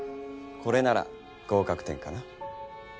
これなら合格点かな。